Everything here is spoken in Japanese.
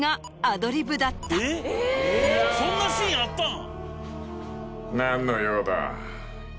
えっそんなシーンあったん？